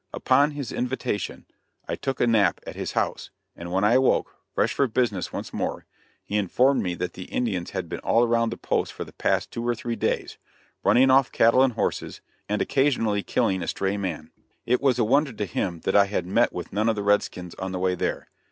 Upon his invitation I took a nap at his house, and when I awoke, fresh for business once more, he informed me that the Indians had been all around the post for the past two or three days, running off cattle and horses, and occasionally killing a stray man. It was a wonder to him that I had met with none of the red skins on the way there.